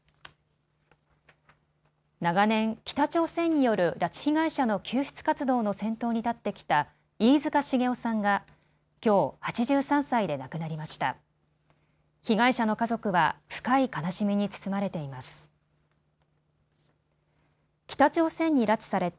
長年、北朝鮮による拉致被害者の救出活動の先頭に立ってきた飯塚繁雄さんがきょう、８３歳で亡くなりました。